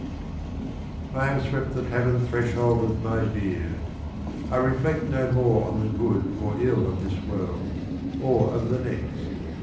(3(>3J I have swept the Tavern Threshold with my Beard. I reflect no more on the Good or III of this World, or of the Next.